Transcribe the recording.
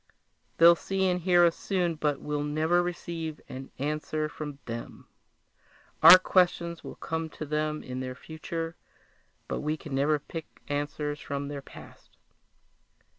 They'll see and hear us soon, but we'll never receive an answer from them! Our questions will come to them in their future but we can never pick answers from their past!"